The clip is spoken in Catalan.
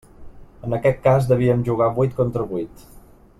En aquest cas devíem jugar vuit contra vuit.